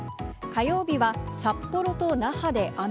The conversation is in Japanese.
火曜日は札幌と那覇で雨。